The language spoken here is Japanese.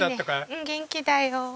うん元気だよ。